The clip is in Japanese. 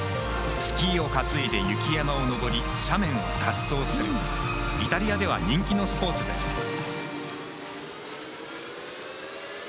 スキーを担いで雪山を登り斜面を滑走するイタリアでは人気のスポーツです。